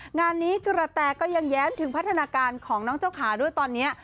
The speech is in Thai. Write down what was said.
งานนี้กระแตก็ยังแย้มถึงพัฒนาการของน้องเจ้าขาด้วยตอนนี้